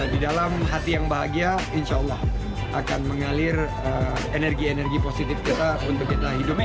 di dalam hati yang bahagia insya allah akan mengalir energi energi positif kita untuk kita hidup